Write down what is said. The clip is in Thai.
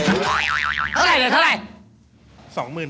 เท่าไร